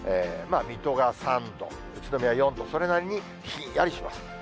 まあ水戸が３度、宇都宮４度、それなりにひんやりします。